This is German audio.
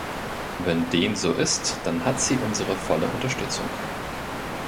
Wenn dem so ist, dann hat sie unsere volle Unterstützung.